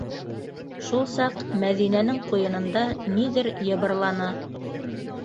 Шул саҡ Мәҙинәнең ҡуйынында ниҙер йыбырланы.